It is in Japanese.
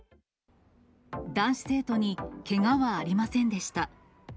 男子生徒にけがはありませんでした。